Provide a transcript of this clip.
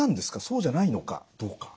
そうじゃないのかどうか。